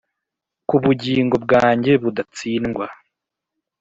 kubugingo bwanjye budatsindwa.